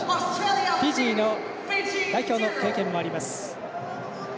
フィジーの代表の経験もあります。